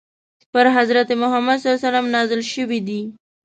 پر حضرت محمد ﷺ نازل شوی دی.